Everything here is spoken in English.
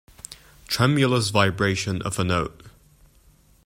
Tremulous vibration of a note.